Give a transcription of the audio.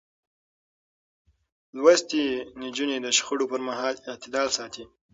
لوستې نجونې د شخړو پر مهال اعتدال ساتي.